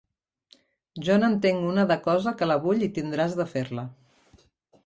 Jo n'entenc una de cosa que la vull i tindràs de fer-la